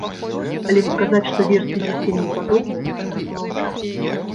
Але сказаць, што версіі зусім непадобныя, гэта прамаўчаць.